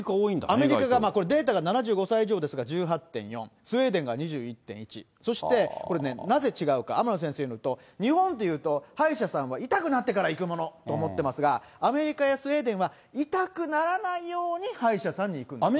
アメリカが、ここデータが７５歳以上ですが、１８．４、スウェーデンが２１．１、そしてこれね、なぜ違うか、天野先生によると、日本というと、歯医者さんは痛くなってから行くものと思ってますが、アメリカやスウェーデンは痛くならないように歯医者さんに行くんですよ。